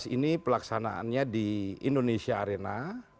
ini pelaksanaannya di indonesia arena